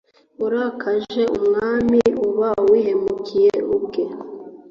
urakaje umwami aba yihemukiye ubwe